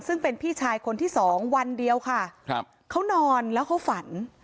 ซึ่งเป็นพี่ชายคนที่สองวันเดียวค่ะครับเขานอนแล้วเขาฝัน